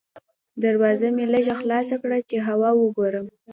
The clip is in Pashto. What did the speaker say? دروازه مې لږه خلاصه کړه چې هوا وګورم.